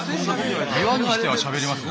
岩にしてはしゃべりますね。